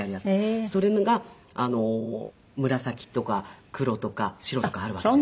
それが紫とか黒とか白とかあるわけですよ。